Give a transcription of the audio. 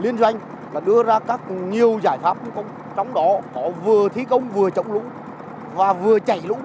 liên doanh và đưa ra các nhiều giải pháp trong đó họ vừa thi công vừa chống lũ và vừa chạy lũ